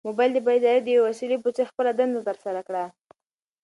موبایل د بیدارۍ د یوې وسیلې په څېر خپله دنده ترسره کړه.